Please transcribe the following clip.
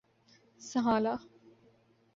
Sinhala